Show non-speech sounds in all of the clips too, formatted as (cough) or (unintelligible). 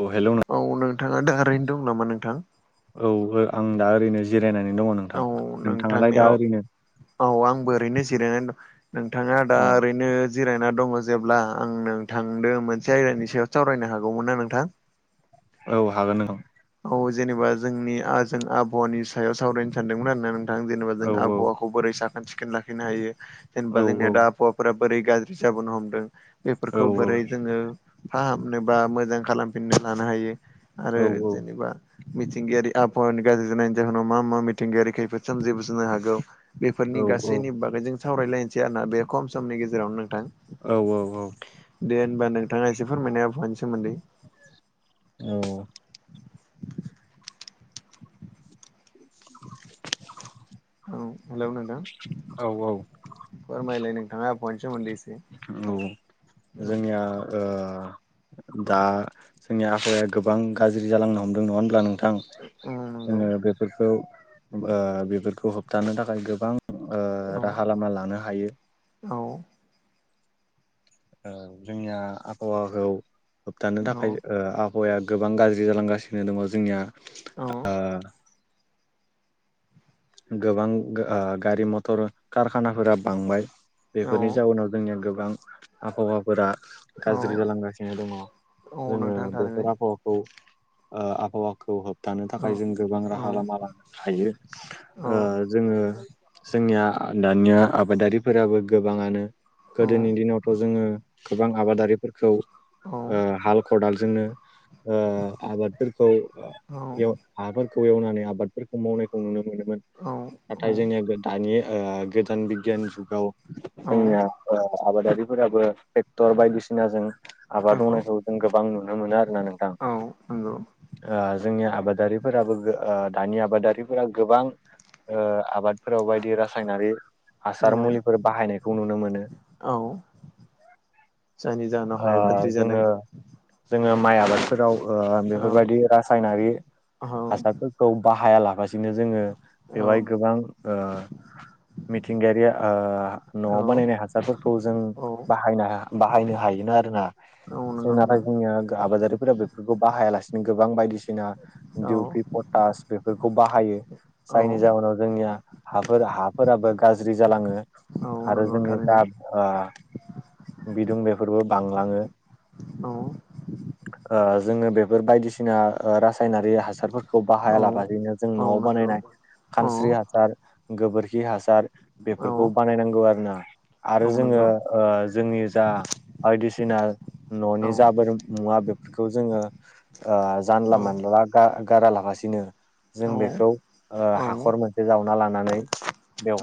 अ hello नों औ नोंथाङा दा ओरैनो दं नामा नोंथां औ आं दा ओरैनो जिरायनानै दङ नोंथां औ नोंथाङालाय दा नोंथांनियाव ओरैनो औ आंबो ओरैनो जिरायनानै दं नोंथाङा दा अ ओरैनो जिरायना दङ जेब्ला आं नोंथांदों मोनसे आयदानि सायाव सावरायनो हागौमोन ना नोंथां औ हागोन औ औ जेनेबा जोंनि जों आबहावानि सायाव सावरायनो सानदोंमोन आरो ना नोंथां जेनेबा जों औ औ आबहावा खौ बोरै साखोन सिखोन लाखिनो हायो जेनेबा औ औ जोंनिया दा आबहावाफोरा बोरै गाज्रि जाबोनो हमदों औ बेफोरखौ बोरै जोङो फाहामनो बा मोजां खालामफिननो लानो हायो औ आरो औ एबा मिथिंगायारि आबहावानि गाज्रि जानायनि जाहोनाव मा मा मिथिंगायारि खैफोद सोमजिबोजिनो हागौ बेफोरनि औ गासैनि बागैजों सावरायलायनोसै आर ना बे खम समनि गेजेरावनो नोंथां औ औ औ दे होमबा नोंथाङा एसे फोरमायना हो आबहानि सोमोन्दै औ औ हेलौ नोंथां औ औ फोरमायलाय नोंथाङा आबहानि सोमौन्दै औ जोंनिया ओ दा जोंनि आहावाया गोबां गाज्रि जालांनो हमदों नङा होनब्ला नों थां औ नंगौ जोङो बेफोरखौ बेफोरखौ होबथानो थाखाय गोबां ओ औ राहा लामा लानो हायो औ ओ जोंनिया आबहावाखौ होबथानो औ थाखाय ओ आ फावाया गोबां गाज्रि जालांगासिनो दङ जोंनिया औ गोबां ओ गारि मथर कारखानाफोरा बांबाय। औ बेफोरनि जाउोनाव जोंनिया गोबां आबहावाफोरा औ गाज्रि जालांगासिनो दङ औ जोंङो नोंथां थारैनो बेफोर आबहावा ओ आबहावाखौ होबथानो औ थाखाय जों गोबां औ राहा लामा लनो हायो। औ ओ जोंङो जोंनिया दानिया आबादारिफोराबो गोबाङानो औ गोदोनि दिनावथ' जोङो गोबां आबादारिफोरखौ औ ओ हाल खदालजोंनो ओ आबादफोरखौ एव हाफोरखौ एवनानै आबादफोरखौ मावनायखौ नुनो मोनोमोन औ नाथाय जोंनिया दानि गोदान बिगियान जुगाव जोंनिया आबादारिफोराबो ट्रेक्टर बायदिसिनाजों औ आबाद मावनायखौ जों गोबां नुनो मोनो आरोोना नोंथां। औ नंगौ ओ जोंनि आबादारिफोराबो ओ दानि आबादारिफोरा गोबां ओ आबादफोराव बायदि रासायनारि औ हासार मुलिफोर बाहायनायखौ नुनो मोनो। औ जायनि जाहोनाव हाया गाज्रि जादों। जोंङो माइ आबादफोराव औ बेफोरबायदि रासायनारि औ हासारफोर खौ बाहाया लागासिनो जोंङो औ बेवहाय गोबां ओ मिथिंगायारिया ओ औ न'आव बानायनाय हासारफोरखौ जों औ बाहायनो बाहायना हायोना आरोना। जों नंगौ नाथाय नोंथां जोंनिया आबादारिफोरा बेफोरखौ बाहायालासिनो गोबां बायदिसिना औ दिडउ पि पटास बेफोरखौ बाहायो। औ जायनि जाहोनाव जोंनिया हाफोर हाफोराबो गाज्रि जालाङो औ आरो नंगौ जोंनि थारैनो जा ओ बिदुं बेफोरबो बांलाङो। औ ओ जोंङो बेफोर बायदिसिना रासायनारि हासारफोरखौ औ बाहायालाबायनो जों औ न'आव नंगौ बानायनाय औ खानस्रि हासार गोबोरखि हासार औ बेफोरखौ बानायनांगौ आरो ना आरो औ जोंङो नंगौ ओ जोंनि जा बायदिसिना न'नि औ जाबोर मुवा बेफोरखौ जोंङो ओ औ जानला मानला गारा लागासिनो औ जों बेखौ ओ औ हाखर मोनसे जावना लानानै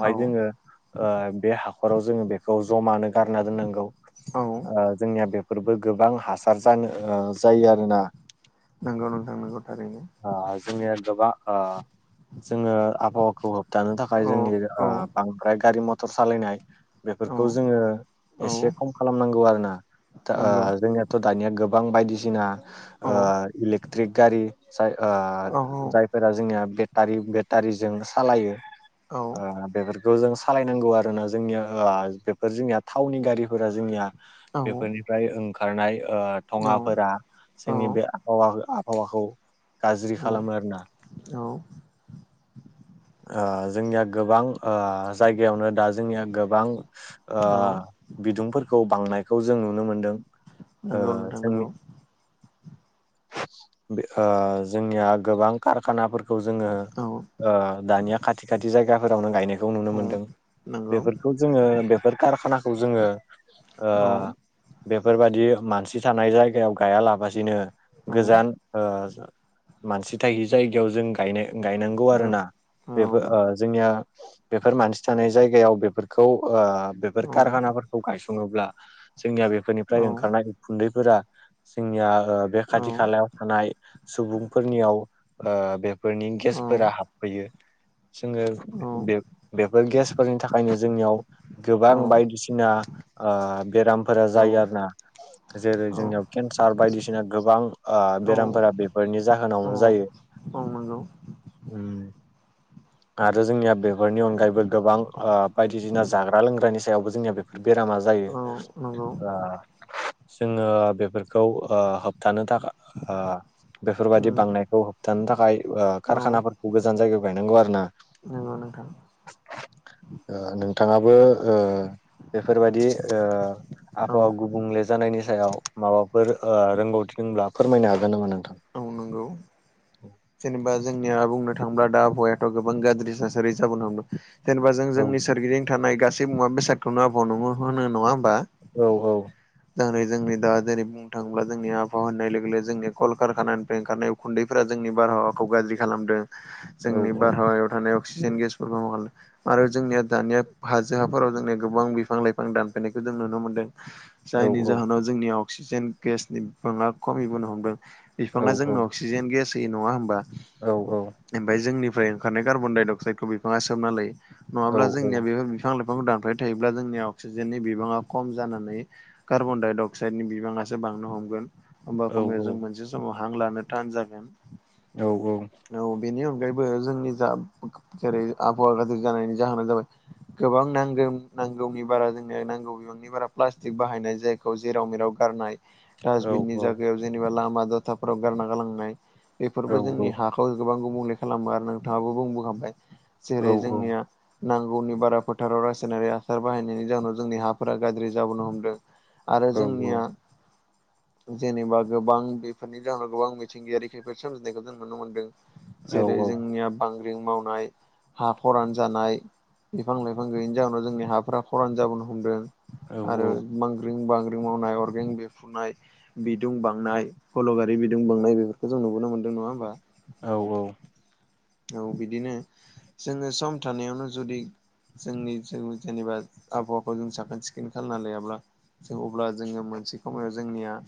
औ जोंङो ओ बे हाखराव जोङो बेखौ जमानो गारना दोननांगौ। औ ओ जोंनिया बेफोरबो गोबां हासार जानो जायो आरोना। नगौ नोंथांनांगौ थारैनो ओ जोंनिया गोबा ओ जोंङो आबहावाखौ होबथानो औ थाखाय जोंनि औ बांद्राय गारि मथर सालायनाय औ बेफोरखौ जोंङो औ एसे खम खालामनांगौ आरोना नंगौ ओ जोंनिया थ' दानिया गोबां बायदिसिना औ ओ इलेकट्रिक गारिय जाय ओ औ जायफोरा जोंनिया बे बेटारि बेटारिजों सालायो औ ओ बेफोरखौ जों सालायनांगौ आरोना जोंनिया आ बेफोर जोंनिया थावनि गारिफोरा जोंनिया बेफोरनिफ्राय ओंखारनाय ओ औ धङाफोरा जोंनि बे आबहावा आबहावाखौ गाज्रि औ खालामो आर ना। औ ओ जोंनिया गोबां जायगायावनो दा जोंनिया गोबां ओ औ बिदुंफोरखौ बांनायखौ जों नुनो मोनदों ओ नंगौ नोंथां नंगौ जोंनि ओ जोंनिया गोबां कारखानाफोरखौ जोंङो औ ओ दानिया खाथि खाथि जायगाफोरावनो गायनो बे खौ नुनो औ मोनदों नंगौ बेफोरखौ जोङो बेफोर कारखानाखौ जोङो ओ औ बेफोरबायदि मानसि थानाय जायगायाव गायालाबसिनो औ गोजान ओ मानसि थायि जायगायाव जों गायनांगौ आरो ना औ बेफोर ओ जोंनिया बेफोर मानसि थानाय जायगायाव बेफोरखौ ओ बेफोर औ कारखानाफोरखौ गायसङोब्ला जोंनिया औ बेफोरनिफ्राय ओंखारनाय उखुन्दैफोरा जोंनिया ओ बे औ खाथि औ खालायाव थानाय सुबुंफोरनियाव ओ बे फोरनि नंगौ गेसफोरा हाबफैयो। जोंङो बे औ बेफोर गेसफोरनि थाखायनो जोंनियाव गोबां नंगौ बायदिसिना ओ बेरामफोरा जायो आर ना जेरै जोंनियाव केन्सार बायदिसिना गोबां ओबेरामफोरा बेफोरनि जाहोनावनो जायो। औ नंगौ उम (inaudible) आरो जोंनिया बेफोरनि अनगायैबो गोबां ओ बायदिसिना जाग्रा लोंग्रानि सायावबो जोंनिया बे बेरामा जायो। ओ जोङो बेफोरखौ ओ होबथानो थाखाय ओ बेफोरबायदि बांनायखौ होबथानो थाखाय ओ औ खारखानाफोरखौ गोजान जायगायाव गायनांगौ आरो ना। नंगौ नोंथां। (inaudible) ओ नोंथाङाबो ओ बेफोरबायदि ओ औ आबहावा गुबुंलेेजानायनि सायाव माबाफोर रोंगौथि दंब्ला फोरमायनो हागोन नामा नोंथां? औ नंगौ। जेनेबा जोंनिया बुंनो थाङोब्ला दा आबहावायाथ' गोबां गाज्रि थासारि जाबोनो हमदों। जेनेबा जों औ जोंनि सोरगिदिं थानाय गासै मुवा बेसादखौनो आबहावा नङा होनो नङा होमबा। औ औ दिनै जोंनि दा जेरै बुंनो थाङोब्ला जोंनि आबहावा होननाय लोगो लोगो जोंनि कलखारखाना निफ्राइ ओंखारनाय उखुन्दैफोरा जोंनि बारहावाखौ गाज्रि खालामदों औ जोंनि औ बारहावायाव थानायाव अक्सिजेन गेस आरो जोंनिया दानिया हाजो हाफोराव जोंनिया गोबां बिफां लाइफां दानफायनायखौ जों नुनो मोनदों। जायनि जाहोनाव जोंनि अक्सिजेन गेसनि बिबाङा खमिबोनो हमदों औ बिफाङा जोंनो अक्सि जेन गेस होयो नङा होमबा। औ औ ओमफ्राय जोंनिफ्राय ओंखारनाय कार्बन डाइ अक्साइदखौ बिफाङा सोबना लायो नङाब्ला जोंनिया औ बेफोर बिफां लाइफांखौ दानफायबाय थायोब्ला जोंनि अक्सिजेननि बिबाङा खम जानानै कार्बन डाइ अक्साइडनि बिबाङासो बांनो हमगोन। होमब्ला एखमबाया जों औ मोनसे समाव हां लानो थान जागोन। औ औ औ बेनि अनगायैबो जोंनि जा जेरै आबहावा गाज्रि जानायनि जाहोना जाबाय गोबां नांगौ नांगौनि बारा जोंनो नांगौनि नांगौनि बारा प्लास्टिक बाहायनाय जायखौ जेराव मेराव गारनाय दासबिननि जायगायाव जेनेबा लामा दथाफोराव गारना गालांनाय बेफोरबो जोंनि हा गोबां गुबुंले खालामो आरो नोंथाङाबो बुंबोखांबाय जेरै जोंनिया नांगौनि बारा फोथाराव रासायनारि हासार बाहायनायनि जाहोनाव जोंनि हाफोरा गाज्रि जाबोनो हमदों। आरो जोंनिया जेनेबा गोबां बे बेफोरनि जाहोनाव गोबां मिथिंगायारि खैफोद सोमजिनायखौ जों नुनो मोनदों जेरै जोंनिया बांग्रि मावनाय हा खरान जानाय बिफां लाइफां गैयैनि जाहोनाव जोंनि हाफोरा खरान जाबोनो हमदों। आरो मांग्रिं बांग्रि मावनाय अरगें बेरफ्रुनाय बिदुं बांनाय सल' गारि बिदुं बांनाय बेफोरखौ जों नुबोन मोनदों नङा होमबा औ औ औ बिदिनो जोङो सम थानायावनो जुदि जोंनि जों जेनेबा आबहावाखौ जों साखोन सिखोन खालामना लायाब्ला जों अब्ला जोङो मोनसे खामानियाव जोंनिया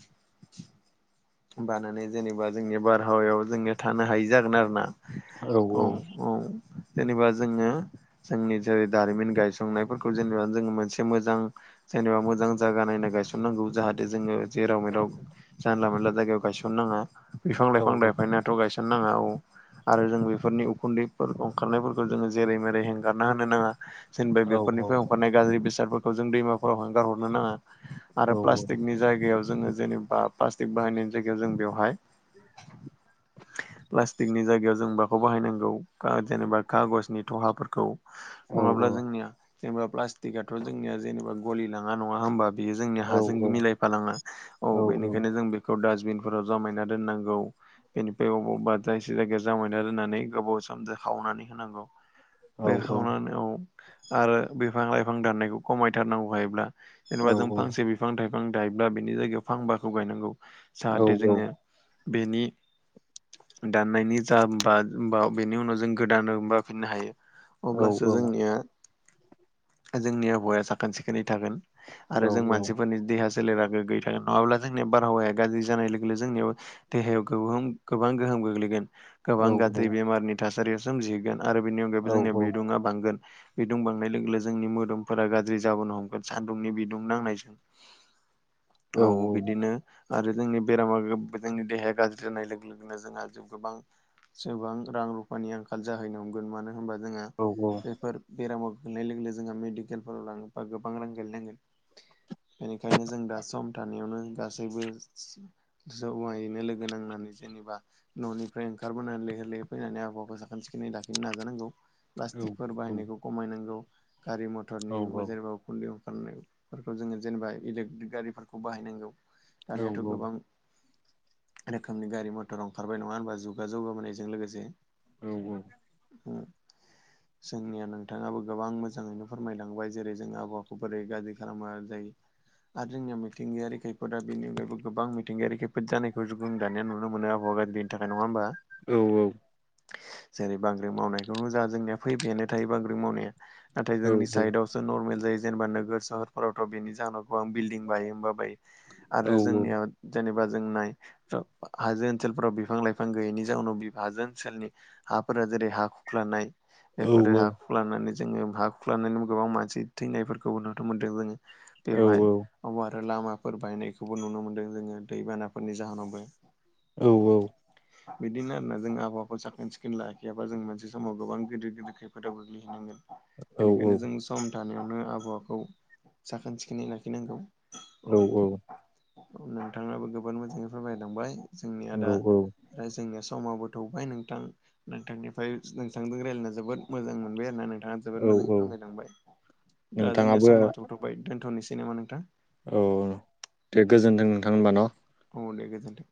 बानानै जेनेबा जोंनि बारहावायाव जोङो थानो हायि जागोन आरोना। औ औ जेनेबा जोङो जोंनि जेरै दारिमिन गायसंनायफोरखौ जेनेबा जोंङो मोनसे मोजां जेनेबा मोजां जायगा नायनो गायसननांगौ जाहाथे जोङो जेराव मेराव जानला मोनानला जायगायाव गायसनो नाङा बिफां लाइफां लाइफांगैयैयावथ' गायसनो नाङा औ आरो जों बे फोरनि उखुन्दैफोर ओंखारनायफोरखौ जोङो जेरै मेरै हेंगारना होनो नाङा जेनबा बेफोरनिफ्राय ओंखारनाय गाज्रि बेसादफोरखौ जों दैमाफोराव गारहरनो नाङा आरो प्लास्टिकनि जायगायाव जोङो जेनेबा प्लास्टिक बाहायनायनि जायगायाव जों बेवहाय प्लास्टिकनि जायगायाव जों बाखौ बाहायनांगौ जेनेबा खागसनि थहाफोरखौ नङाब्ला जोंनिया जेनेबा प्लास्टिकआथ' जोंनिया जेनेबा गलि लाङा नङा होमबा बियो जोंनि हाजों मिलायफालाङा औ बेनिखायनो जों बे खौ दासबिन फोराव जमायना दोननांगौ बेनिफ्राय अबावबा जाय दोननानै गोबाव सम खावनानै होनांगौ बे खावनानै औ आरो बिफां लाइफां दाननायखौ खमायथारनांगौ हायोब्ला जेनेबा जों फांसे बि फां थायफां गायोब्ला बेनि जायगायाव फांबाखौ गायनांगौ जाहाथे जोङो बेनि दाननायनि जा बा बा बेनि उनाव जों गोदानो मोनबाफिननो हायो अब्लासो जोंनिया जोंनि आबहावाया साखोन सिखोनै थागोन आरो जों मानसिफोरनि देहा सोलेरा गोगैयै थागोन नङाब्ला जोंनि बारहावाया गाज्रि जानाय लोगो लोगो जोंनियाव देहायाव गोबां गोहोम गोग्लैगोन गोबां गाज्रि बेमारनि थासारियाव सोमजिहैगोन आरो बेनि अनगायैबो जोंनिया बिदुंआ बांगोन बिदुं बांनाय लोगो लोगो जोंनि मोदोमफोरा गाज्रि जाबोनो हमगोन सान्दुंनि बिदुं नांनायजों औ बिदिनो आरो जोंनि बेरामा जोंनि देहाया गाज्रि जानाय लोगो लोगोनो जोंहा गोबां जोबां रां रुफानि आंखाल जाहैनो हमगोन मानो होनबा जोंहा औ औ बेफोर बेरामाव गोग्लैनाय लोगो लोगो जोंहा मेडिकेलफोराव लाङोबा गोबां रां गेलनांगोन बेनिखायनो जों दा सम थानायावनो गासैबो जमायैनो लोगो नांनानै जेनेबा न'नि फ्राय ओंखारबोनानै लैहोर लैहोर फैनानै आबहावाखौ साखोन सिखोनै लाखिनो नाजानांगौ प्लास्टिकफोर बाहायनायखौ खमायनांगौ गारि मथरनि अ जेनेबा उखुन्दै औ (unintelligible) फोरखौ जोङो जेनेबा इलेक्ट्रिक गारिफोरखौ बाहायनांगौ दानियाथ' गोबां रोखोमनि गारि मथर ओंखारबाय नङा होनबा जुगा जौगाबोनायजों लोगोसे औ औ ओम जोंनिया नोंथाङाबो गोबां मोजाङैनो फोरमायलांबाय जेरै जों आबहावाखौ बोरै गाज्रि खालामा जायो आरो जोंनि मिथिंगायारि खैफोा बेनि अनगायबो गोबां मिथिंगायारि खैफोद जानायखौ जुगो दानिया नुनो मोनो आबहाआ (unintelligible) बेनि थाखाय नङा होमबा औ औ जेरै बांग्रिं मावनायखौनो जा जोंनिया फैबायानो थायो बांग्र्रि मावनाया नाथाय जोंनि साइदआवसो नर्मेल जायो जेनेबा नोगोर सहरफोरावथ' बेनि जाहोनाव गोबां बिल्डिं बायो होमबा बायो आरो जोंनिया जेनेबा जों नाय हाजो ओनसोलफोराव बिफां लाइफां बिफां गैयैनि जाउनाव बि हाजो ओनसोलनि हाफोरा जेरै हा खुख्लानाय बेफोरो हा लानानै जोङो हा खुरख्लानानै गोबां मानसि थैनायफोरखौबो नुनो मोनदों जोङो बेवहाय। अबबा आरो लामाफोर बायनायखौबो नुनो मोन्दों जोङो दैबानाफोरनि जाहोनावबो। औ औ। बिदिनो आरोना जों आबावा साखोन सिखोन लाायखियाबा जों मोनसे समाव गोबां गदिर गिदिर खैफोदाव गोग्लैहैनांगोन। बेनिखायनो जों सम थानायावनो आबहावाखौ साखोन सिखोनै लाखिनांगौ। औ औ नोंथाङाबो गोबां मोजांयै फोरयमायलांबाय जोंनिआ दा आरो जोंनिया समावाबो थौबाय नोंथां नोंथांनिफ्राय नोंथांजों रायलायना जोबोद मोजां मोनबाय आरो ना नोंथाङा जोबोद मोजाङै फोरलायलांबाय दा जोंनिया समा थ'थ'बाय दोनथ'नोसै नामा नोंथां औ दे गोजोन्थों नोंथां होनबा न' औ दे गोजोन्थों।